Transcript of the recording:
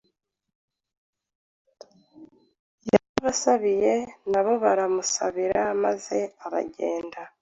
Yarabasabiye nabo baramusabira maze aragenda